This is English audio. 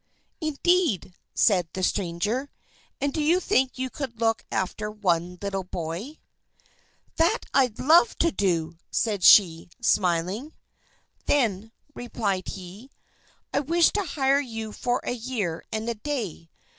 "Indeed!" said the stranger. "And do you think you could look after one little boy?" "That I'd love to do!" said she, smiling. "Then," replied he, "I wish to hire you for a year and a day.